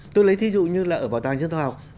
tôi lấy thí dụ như là ở bảo tàng trường thông học